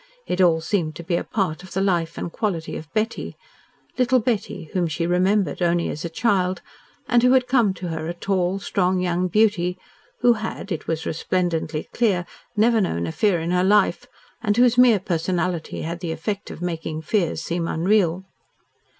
It all seemed to be a part of the life and quality of Betty, little Betty, whom she had remembered only as a child, and who had come to her a tall, strong young beauty, who had it was resplendently clear never known a fear in her life, and whose mere personality had the effect of making fears seem unreal.